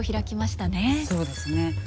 そうですね。